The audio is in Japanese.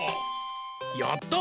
やった！